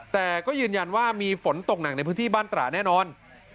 แต่ก็ยืนยันว่ามีฝนตกหนักในพื้นที่บ้านตระแน่นอน